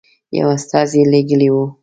یو استازی لېږلی وو.